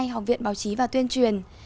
học viện báo chí và tuyên truyền